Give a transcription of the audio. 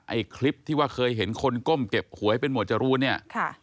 ไอ้คลิปที่ว่าเคยเห็นคนก้มเก็บหวยเป็นหวดจรูนเนี่ยค่ะ